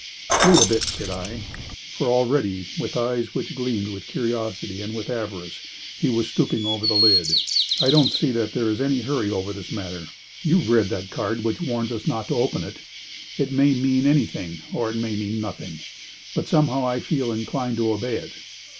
"Wait a bit," said I, for already, with eyes which gleamed with curiosity and with avarice, he was stooping over the lid. "I don't see that there is any hurry over this matter. You've read that card which warns us not to open it. It may mean anything or it may mean nothing, but somehow I feel inclined to obey it.